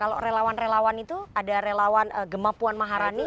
kalau relawan relawan itu ada relawan gemah puan maharani